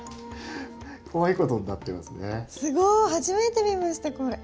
初めて見ましたこれ。